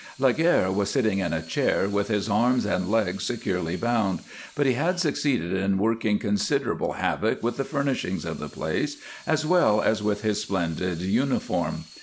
Laguerre was sitting in a chair with his arms and legs securely bound, but he had succeeded in working considerable havoc with the furnishings of the place as well as with his splendid uniform.